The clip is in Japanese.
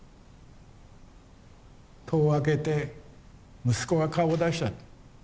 戸を開けて息子が顔を出した。